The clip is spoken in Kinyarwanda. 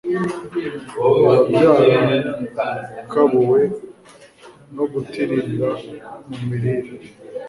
biba byarakabuwe no kutirinda mu mirire